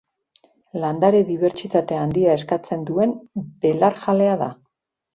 Landare-dibertsitate handia eskatzen duen belarjalea da.